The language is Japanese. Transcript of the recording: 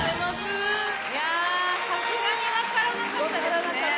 いやさすがに分からなかったですね。